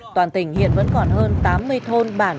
toàn tỉnh hiện vẫn còn hơn tám mươi thôn bản